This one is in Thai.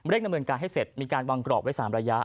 ดำเนินการให้เสร็จมีการวางกรอบไว้๓ระยะ